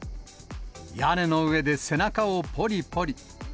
屋根の上で背中をぽりぽり。